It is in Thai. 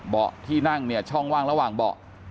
ที่นั่งเนี่ยช่องว่างระหว่างเบาะ